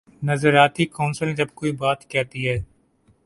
نظریاتی کونسل جب کوئی بات کہتی ہے۔